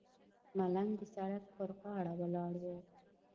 ملنګ د سړک پر غاړه ولاړ و.